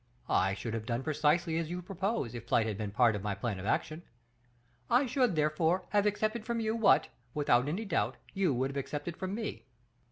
I should have done precisely as you propose if flight had been part of my plan of action; I should, therefore, have accepted from you what, without any doubt, you would have accepted from me.